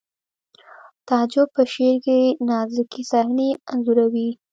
تعجب په شعر کې نازکې صحنې انځوروي